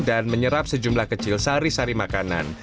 dan menyerap sejumlah kecil sari sari makanan